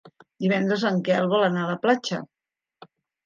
Divendres en Quel vol anar a la platja.